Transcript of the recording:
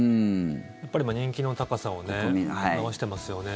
やっぱり人気の高さを表してますよね。